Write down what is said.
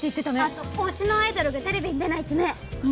あと推しのアイドルがテレビに出ないってね。